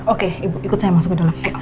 oke ibu ikut saya masuk ke dalam